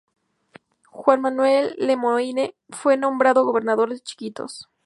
Juan Manuel Lemoine fue nombrado gobernador de Chiquitos.